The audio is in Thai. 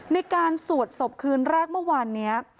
ในการสวดศพคืนแรกเมื่อวานนี้